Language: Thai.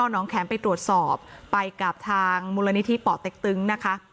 น้องแข็มไปตรวจสอบไปกับทางมูลนิธิป่อเต็กตึงนะคะ